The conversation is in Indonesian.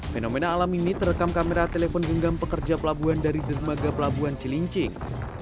fenomena alam ini terekam kamera telepon genggam pekerja pelabuhan dari dermaga pelabuhan cilincing